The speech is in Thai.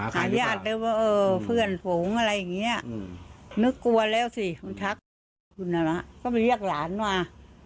คุณน่ะนะก็ไปเรียกหลานว่า